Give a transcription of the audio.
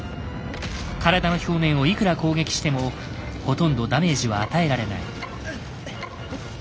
体の表面をいくら攻撃してもほとんどダメージは与えられない。